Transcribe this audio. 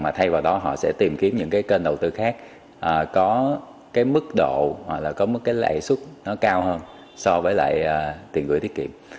mà thay vào đó họ sẽ tìm kiếm những cái kênh đầu tư khác có cái mức độ hoặc là có một cái lãi suất nó cao hơn so với lại tiền gửi tiết kiệm